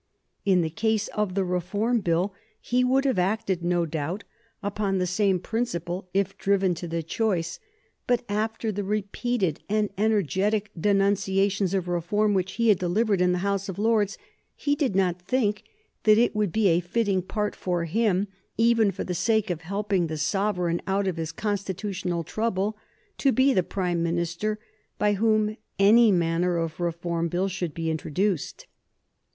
In the case of the Reform Bill he would have acted, no doubt, upon the same principle if driven to the choice, but after the repeated and energetic denunciations of reform which he had delivered in the House of Lords he did not think that it would be a fitting part for him, even for the sake of helping the sovereign out of his constitutional trouble, to be the Prime Minister by whom any manner of Reform Bill should be introduced.